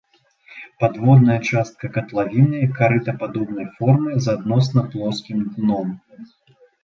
Падводная частка катлавіны карытападобнай формы з адносна плоскім дном.